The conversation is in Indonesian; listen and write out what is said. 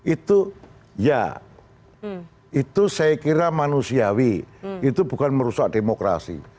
itu ya itu saya kira manusiawi itu bukan merusak demokrasi